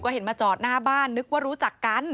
เห็นมาจอดหน้าบ้านนึกว่ารู้จักกัน